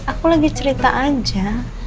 aku lagi cerita aja